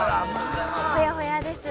ほやほやです。